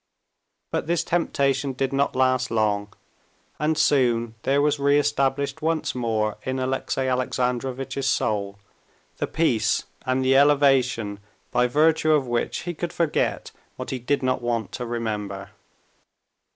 But this temptation did not last long, and soon there was reestablished once more in Alexey Alexandrovitch's soul the peace and the elevation by virtue of which he could forget what he did not want to remember.